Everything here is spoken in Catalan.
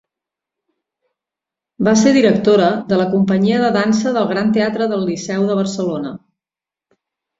Va ser directora de la Companyia de Dansa del Gran Teatre del Liceu de Barcelona.